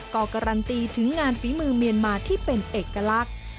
ก็การันตีถึงงานฝีมือเมียนมาที่เป็นเอกลักษณ์